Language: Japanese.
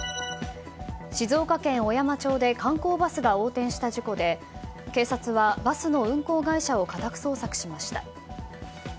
静岡県小山町で観光バスが横転した事故で警察はバスの運行会社を家宅捜索しました。